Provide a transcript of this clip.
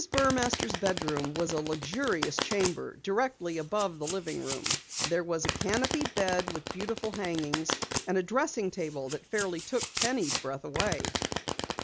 Burmaster's bedroom was a luxurious chamber directly above the living room. There was a canopied bed with beautiful hangings and a dressing table that fairly took Penny's breath away.